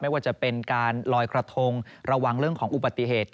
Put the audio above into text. ว่าจะเป็นการลอยกระทงระวังเรื่องของอุบัติเหตุ